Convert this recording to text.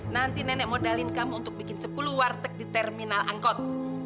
nanti nenek modalin kamu untuk bikin sepuluh warteg di terminal angkot